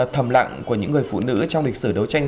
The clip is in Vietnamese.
thầm lặng của những người phụ nữ trong lịch sử đấu tranh